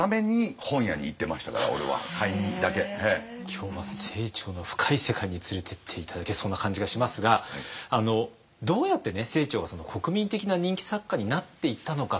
今日は清張の深い世界に連れてって頂けそうな感じがしますがどうやってね清張が国民的な人気作家になっていったのか。